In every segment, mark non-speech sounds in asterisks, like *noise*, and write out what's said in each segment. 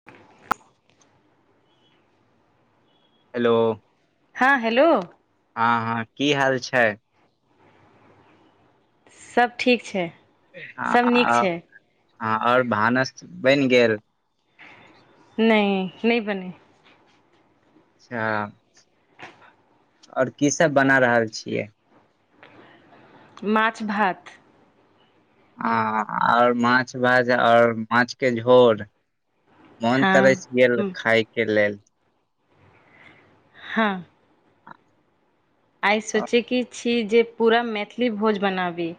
*inaudible* Hello हँ hello हँ हँ की हाल छै सब ठीक छै सब नीक हॉं छै आओर भानस बनि गेल नहि नहि बने हाँ ओर की सब बना रहल छियै माछ भात हँ आओर माछ भाज आओर माछ के झोर मोन हँ तरस गेल खाायके लेल हँ आइ हँ सोचेके छी जे पूरा मैथिली भोज बनाबी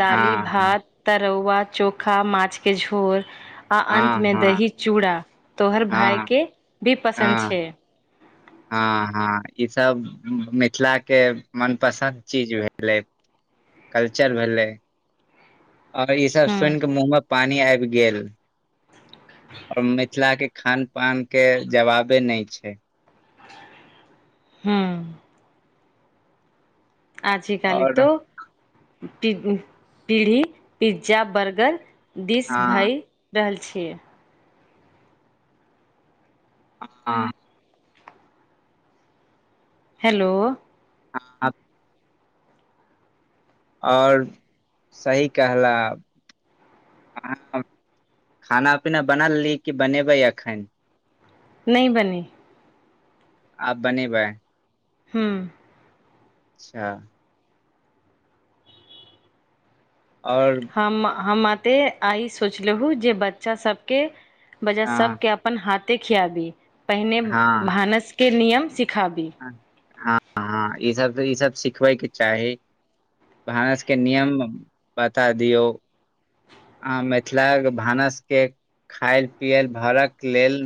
दाली हँ भात तरौआ चोखा माछ के झोर आ अंतऽ हँ में हँ दही चूड़ा तोहर भाय हँ के भीऽ पसन्द हँ छै हँ हँ ईसभ मिथिलाके मनपसन्द चीज भेलै कल्चर भेलै और ई सब हँ सुनि के मुॅंह मे पानी आबि गेल ओर मिथिला केऽ खान पान के जवाबे नहि छै हूॅं आज काल आओर तऽ पीढ़ी पिज्जा बर्गर दिस हँ भै रहल छियै हाँ हेलो ह आओर सही कहला अहाँ खाना पीना बनल रही कि बनेबै अखन नहि बनी आ बने बै हू अच्छा आओर हम हम अते आ सोचलहु जे बच्चा सबके वजह हँ सबके अपन हाथे खियाबी पहिने हँ भानसके नियम सिखाबी हँ ह ई सब तऽ ई सब सिखबैके चाही भानस के नियम बता दियऔ आ मिथिलाक भानसके खाय पियल भरके लेल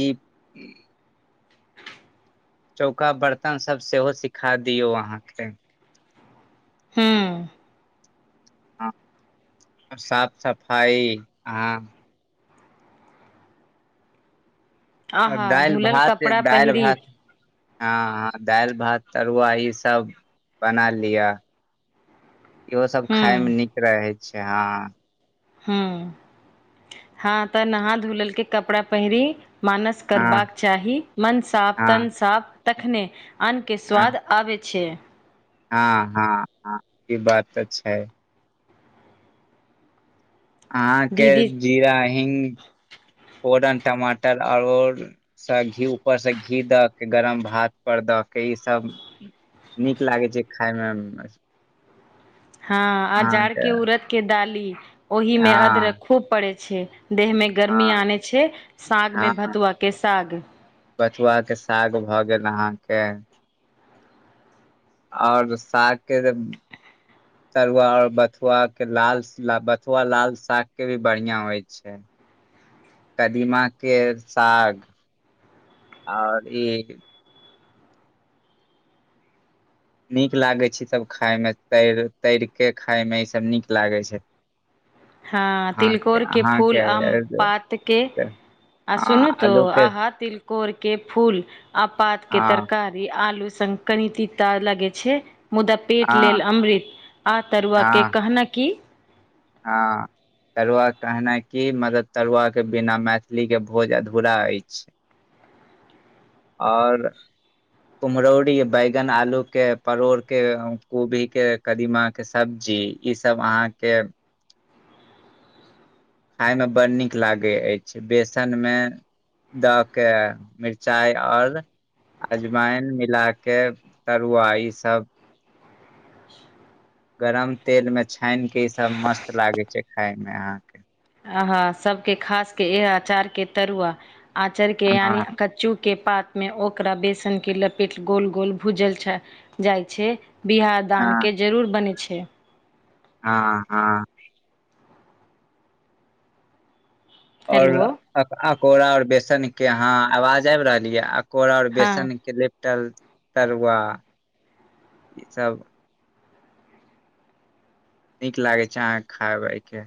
ई चौका बर्तन सब सेहो सिखा दियौ अहाँके हूं हँ साफ सफाइ हँ आ आहा दालि धुलल भात कपड़ा दालि पहिरी भात हँ ह दालि भात तरुआ ई सब बना लिअ *inaudible* इहो सब हूँ खााय में नीक रहे छै हँ ह हँ तऽ नहा धोलल के कपड़ा पहिरी मानस हँ करबाक चाही मन साफ हँ तन साफ तखने अन्न के हँ स्वाद आबै छ हँ हँ ह ई बात तऽ छै अहाँके दीदी जीरा हि्ग ओरन टमाटर आओर से घी ऊपरसँ घी दऽ के गरम भात पर दऽ के ईसभ नीक लागै छै खाायमे हँ आ जाड़ के उरद के डाली ओहि में अदरक हँ खूब पड़े छै देह मे गर्मी हँ आने छै साग मे भतुआ के साग बथुआके साग भए गेल अहाँके आओर साग के जे तरुआ और बथुआ के लाल बथुआ लाल साग के भी बढ़िया होय छै छैा कदीमा के साग आओर ई नीक लागे छै सब खााय मे तर तर के खाय में इ सब नीक लागे छै हँ अहाँके तिलकोरके अहाँके फूल आम पातके आ सुनू तो आलू के आहा तिलकोर के फूल आ पातके हँ तरकारी ई आलू स कनि तीता लगे छै मुदा पेट हँ लेल अमृत आ तरुआके हँ कहना की हँ तरुआ कहनाइ की मतलब तरुआ के बिना मैथिली के भोज अधूरा अछि *inaudible* आओर कुम्हरौरी बैगन आलू के परोड़ के कोभी के कदीमाके सब्जी ईसभ अहाँके खाायमे बड़ नीक लागै अछि बेसन मे दऽ के मिरचाइ आओर अजमाइन मिला के तरुआ ई सब गरम तेल में छानि के इ सब मस्त लागे छै खाय में अहाँके अह सबके खास के इहे अचार के तरुआ आँचार के यानि हँ कच्चू के पात में ओकरा बेसन के लपेट गोल गोल भूजल जाइ छै बियाह दान हँ के जरूर बनै छै हँ हँ और हेलो अकोड़ा और बेसन के आहा आवाज आब रहल ये कोरा आर हँ बेसनक के लिपटल तरुआ ई सब नीक लागै छै अहाँके खायब के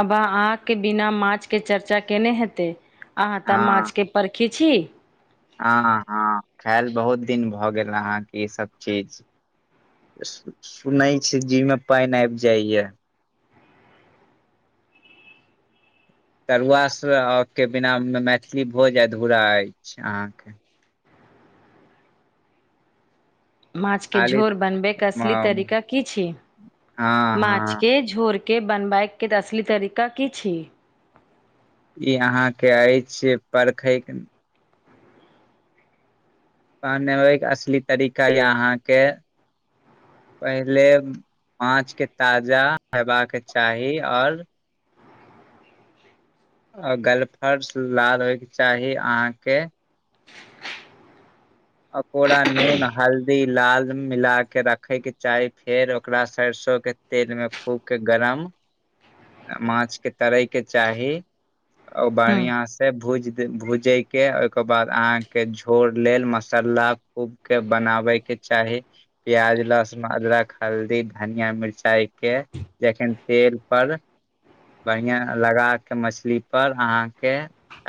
अब अहाँके बिना माछ के चर्चा केने हेते अहाँ तऽ हँ माछ के परखै छी हँ हँ खायल बहुत दिन भऽ गेल अहाँके ईसभ चीज सुनै छी जी मे पानि आबि जाइ या तरुआ सँ के बिना मैथिली भोजन जे अधूरा अछि अहाँके माछ के खाली झोर बनबे के असली हँ तरीका की छी माछ हँ के झोर के बनबैके असली तरीका की छी? ई अहाँ के अछि परखै पहनेबे के असली तरीका य अहाँ के पहिले माछ के ताजा हेबाक के चाही ओर आ गलफर्स लाल होय के चाही अहाँ के अकोरा नून हल्दी लाल मिला कऽ रखय के चाही फेर ओकरा सरसों तेल में खूब के गरम माछ के तरय के चाही ओ हूँ बढ़िया सँ से भूज भुजेके ओहिके बाद अहाँके झोर लेल मसाला खूब के बनाबैके चाही प्याज लहसुन अदरक हल्दी धनिया मिरचाई के जेखन तेल पर बढ़िया लगा के मछली पर अहाँके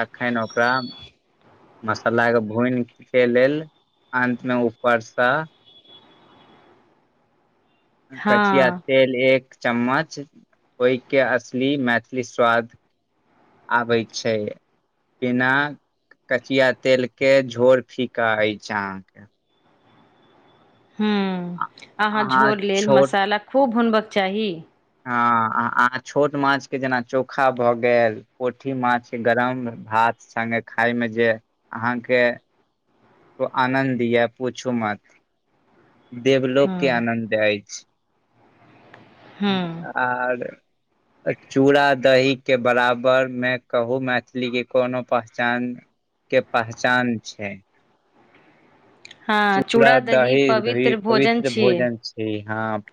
अखन ओकरा मसाला के भुइन के लेल अंत मे ऊपर से कचिया हँ तेल एक चम्मच ओहिके असली मैथिली स्वाद आबै छै बिना कचिया तेल के झोर फीका अछि अहाँके हू अहाँ झोर लेल मसाला खूब भुनबक चाही हँ आ अहाँ छोट माछ के जेना चोखा भऽ गेल पोठी माछ गरम भात संगे खायमे जे अहाँके ओ आनन्द या पूछू मत देवलोक के हँ आनन्द अछि हूँ आर चूड़ा दही के बराबर मे कहू मैथिलीे कोनो पहचान के पहचान छै हँ चूड़ा दही पवित्र भोजन छियै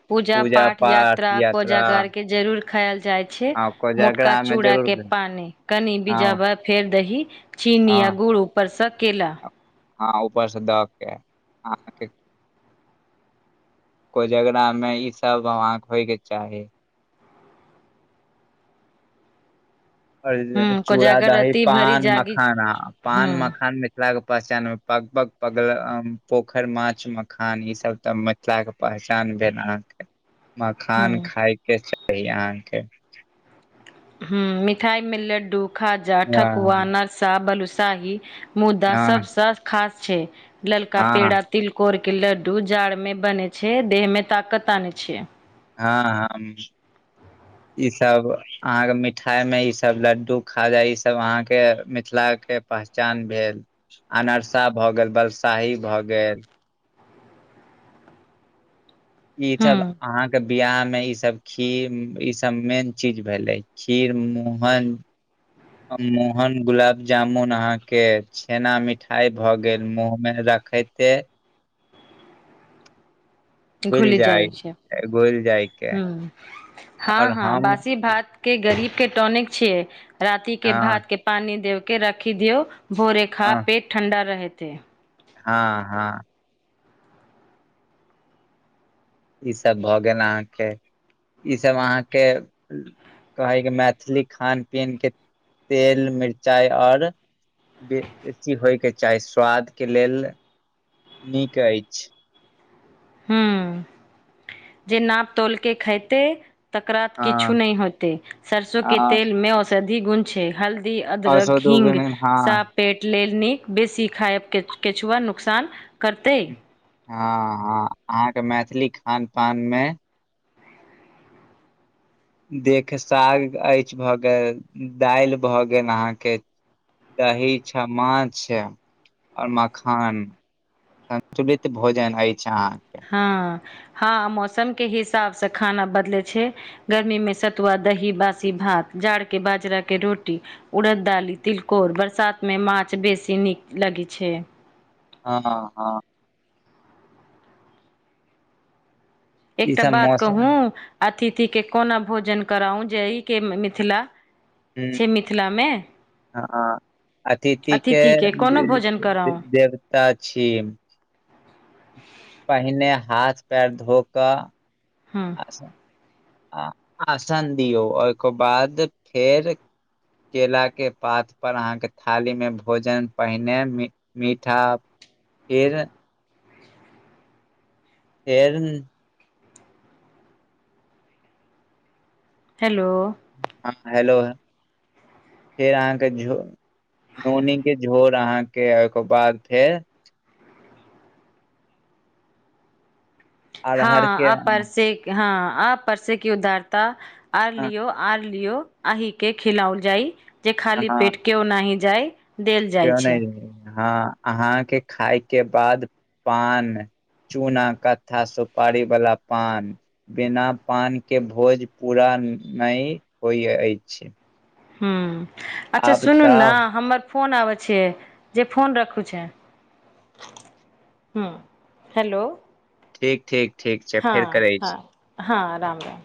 पूजा पाठ यात्रा कोजागर के जरूर खायल जाइ छै हँ मोटका कोजगरा मे चूड़ा जरूर के पानि कनि हँ बीजबा फेर दही चीनी आ हँ गुड़ ऊपर सँ केला हँ ऊपर से द के ह कोजगरा मे ई सब वहाँ के होइ के चाही आओर हूँ चूड़ा कोजागर दही राति भरि पान जागी मखाना पान हूँ मखान मे मिथिला के पहचान मे पग पग पगल पोखरि माछ मखान ई सब त मिथिला के पहचान भेल अहाँके मखान हूँ खााय के चाही अहाँके हँ मिठाइमे लड्डू खाजा हँ ठकुआ नरसा बलुसाही मुद्दा हँ सबसँ खास छै ललका हँ पेड़ा तिलकोर के लड्डू जाड़ में बने छै देह में ताकत आनय छै हँ ह ई सब अहाँके मिठाइमे ईसभ लड्डू खाजा ईसभ अहाँके मिथिलाके पहचान भेल अनरसा भए गेल बलसाही भए गेल ई सभ ह्म्म अहाँके बियाह मे इसभ खीर ई सब मेन चीज भेलै खीर मोहन मोहन गुलाब जामुन अहा के छेना मिठाई भ गेल मुँहमे र खायते घुल घुलि जाइ जाय छै घुलि जायके ह हँ आओर हँ हम बासी भात के गरीब के टोनिक छियै राति के हँ भात के पानि दे के राखि दियऔ भोरे खा हँ पेट ठण्डा रहेते हँ हँ ई सब भऽ गेल अहाँके ई सब अहाँके कहैके मैथिली खान पीन के तेल मिरचाइ आओर बे बेसी होयके चाही स्वाद के लेल नीक अछि हू जे नाप तोलके खयते तकरा किछू हँ नहि होते सरसों के हँ तेल मे औषधि गुंन छै हल्द द अदरक हिंग असदुगन हँ सााप पेट लेल नीक बेसी खायब केछुआ नुोकसान करतै हँ हँ अहाँके मैथिली खान पान मे देख साग अछि भऽ गेल दालि भऽ गेल अहाँके दही छ माछ आओर मखान सन्तुलित भोजन अछि अहाँ हँ हँ मौसमके हिसाबसँ खाना बदलै छै गर्मी में सतुआ दही बसी भात जाड़ के बाजरा के रोटी उड़द डाली तिलकोर बरसात में माछ बेसी नीक लगै छै हँ हँ ई एकटा सब बात मौसम कहू अतिथिके कोना भोजन कराउ ज ई के मिथिला ह छै मिथिलामे हँ ह अतिथिक के कोनो भोजन कराउ देवता छी पहिने हाथ पैर धो कऽ हुँ आसन दियौ ओहिके बाद फेर केला के पात पर अहाँ के थाली में भोजन पहिने मीठा फेर फेर हेलो हँ हेलो फेर अहाँके झो नोनी के झोर अहाँके ओके बाद फेर हँ अरहर के आ परसे हँ आ परसे की उदारता आर हँ लियो आर लियो अहि के खिलाल जाइ जे खाली हँ पेट केओ न जाय देल जाइ केओ छै नहि हँ अहाँके खाायके बाद पान चूना कतथा सुपारी वालला पान बिना पानके भोज पूरा नहि होइत अछि हुँ अच्छा आब सुनू ने तऽ हमर फोन आबै छिय जे फोन रखू छै ह हेलो ठीक ठीक ठीक छै हँ फेर करै छी हँ हँ राम राम